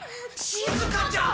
しずかちゃん！